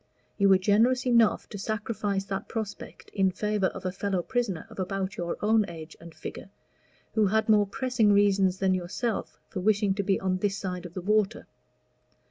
You were generous enough to sacrifice that prospect in favor of a fellow prisoner, of about your own age and figure, who had more pressing reasons than yourself for wishing to be on this side of the water.